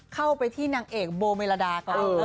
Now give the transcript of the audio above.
เข้าไปที่นางเอกโบเมลาดาก่อน